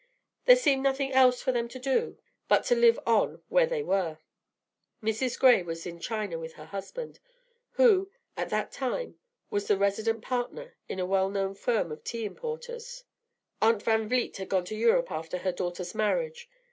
There seemed nothing else for them to do but to live on where they were. Mrs. Gray was in China with her husband, who at that time was the resident partner in a well known firm of tea importers. Aunt Van Vliet had gone to Europe after her daughter's marriage.